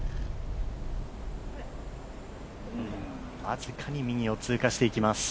僅かに右を通過していきます。